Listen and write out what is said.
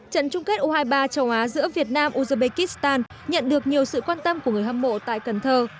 trận chung kết u hai mươi ba châu á giữa việt nam uzbekistan nhận được nhiều sự quan tâm của người hâm mộ tại cần thơ